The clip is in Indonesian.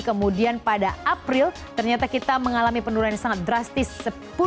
kemudian pada april ternyata kita mengalami penurunan yang sangat drastis